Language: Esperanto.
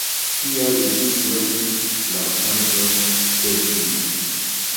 Kial vi ŝlosis la pordon, Delfino?